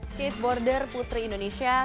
skateboarder putri indonesia